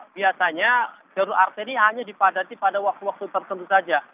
biasanya jalur arteri hanya dipadati pada waktu waktu tertentu saja